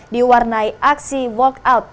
diwarnai aksi walkout